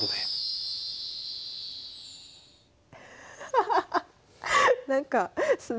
ハハハッ！